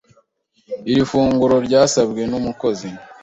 Iri funguro ryasabwe numukozi.